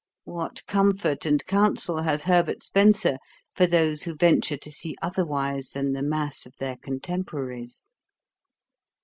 What comfort and counsel has Herbert Spencer for those who venture to see otherwise than the mass of their contemporaries?